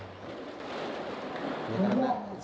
karena situasinya kan sudah agak ideologi